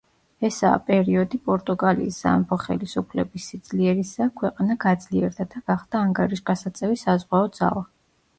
ესაა პერიოდი პორტუგალიის სამეფო ხელისუფლების სიძლიერისა, ქვეყანა გაძლიერდა და გახდა ანგარიშგასაწევი საზღვაო ძალა.